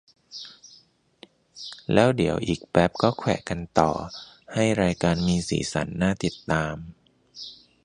แล้วเดี๋ยวอีกแป๊ปก็แขวะกันต่อ ให้รายการมีสีสันน่าติดตาม